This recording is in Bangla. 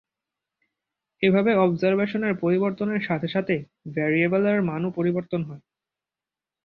এভাবে অবজারভেশনের পরিবর্তনের সাথে সাথে ভ্যারিয়েবলের মানও পরিবর্তিত হয়।